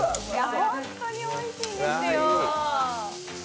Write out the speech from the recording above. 本当においしいんですよ。